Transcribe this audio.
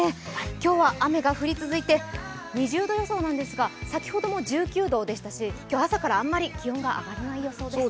今日は雨が降り続いて２０度予想なんですが先ほども１９度でしたし今日は朝から気温があまり上がらない予想です。